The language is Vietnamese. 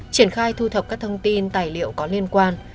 triển khai thu thập các thông tin tài liệu có liên quan